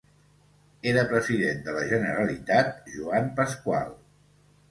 Era President de la Generalitat Joan Pasqual.